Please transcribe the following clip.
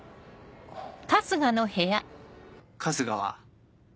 春日は？